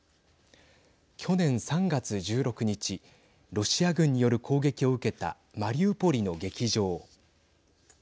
去年３月１６日ロシア軍による攻撃を受けたマリウポリの劇場。